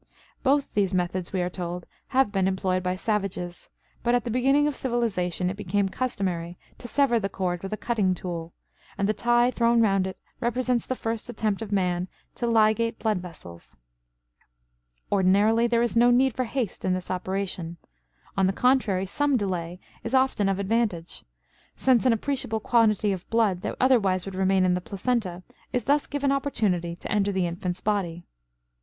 Both these methods, we are told, have been employed by savages; but at the beginning of civilization it became customary to sever the cord with a cutting tool, and the tie thrown round it represents the first attempt of man to ligate blood vessels. Ordinarily there is no need for haste in this operation. On the contrary, some delay is often of advantage, since an appreciable quantity of blood that otherwise would remain in the placenta is thus given opportunity to enter the infant's body.